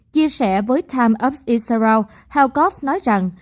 chia sẻ với times of israel helgort nói rằng